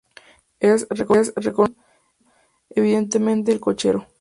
Es, reconoce Ion, evidentemente, el cochero.